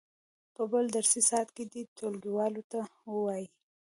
په بل درسي ساعت کې دې ټولګیوالو ته ووایي.